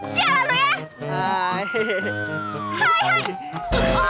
sialan lo ya